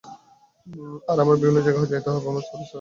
আর আমার বিভিন্ন জায়গা যেতে হবে, বিভিন্ন মানুষের সাথে সাক্ষাৎ করতে হবে।